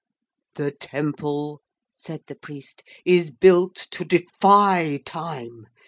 'The temple,' said the priest, 'is built to defy time.